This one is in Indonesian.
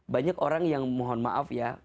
banyak orang yang mohon maaf ya